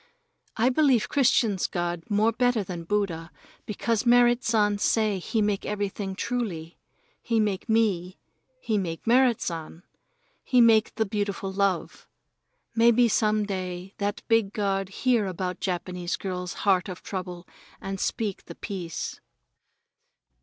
I believe Christians' God more better than Buddha, because Merrit San say he make everything truly. He make me, he make Merrit San, he make the beautiful love. Maybe some day that big God hear about Japanese girl's heart of trouble and speak the peace.